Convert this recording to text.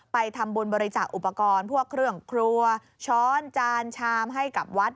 ไปทำบุญบริจาคอุปกรณ์พวกเครื่องครัวช้อนจานชามให้กับวัด